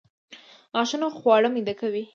غاښونه خواړه میده کوي